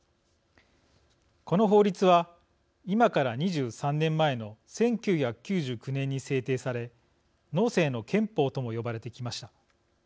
この法律は今から２３年前の１９９９年に制定され農政の憲法とも呼ばれてきました。